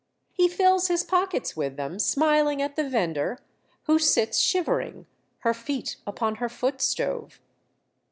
He fills his pockets with them, smiling at the vendor, who sits shivering, her feet upon her foot stove.